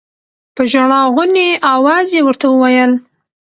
په ژړا غوني اواز يې ورته وويل.